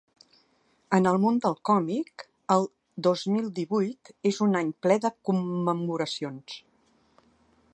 En el món del còmic el dos mil divuit és un any ple de commemoracions.